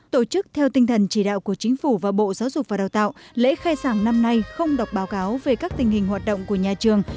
tổ chức theo tinh thần chỉ đạo của chính phủ và bộ giáo dục và đào tạo lễ khai giảng năm nay không đọc báo cáo về các tình hình hoạt động của nhà trường